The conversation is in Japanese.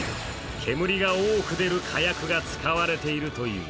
煙が多く出る火薬が使われているという。